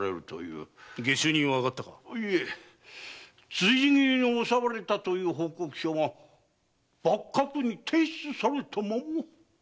辻斬りに襲われたという報告書が幕閣に提出されたまま。